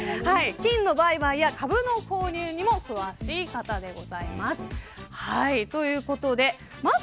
金の売買や株の購入にも詳しい方です。